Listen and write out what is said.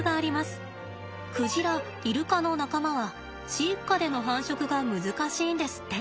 クジライルカの仲間は飼育下での繁殖が難しいんですって。